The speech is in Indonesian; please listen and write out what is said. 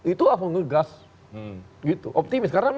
itu lah mau ngegas gitu optimis karena